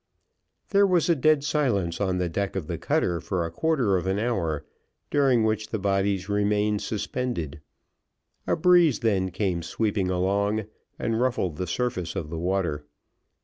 There was a dead silence on the deck of the cutter for a quarter of an hour, during which the bodies remained suspended. A breeze then came sweeping along and ruffled the surface of the water.